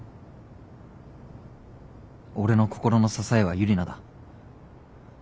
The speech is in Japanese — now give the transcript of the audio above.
俺の心の支えはユリナだ。